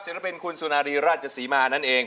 เป็นคุณสุนารีราชศรีมานั่นเอง